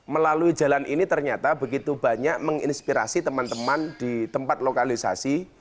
melalui jalan ini ternyata begitu banyak menginspirasi teman teman di tempat lokalisasi